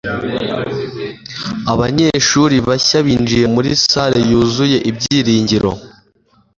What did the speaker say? Abanyeshuri bashya binjiye muri salle yuzuye ibyiringiro.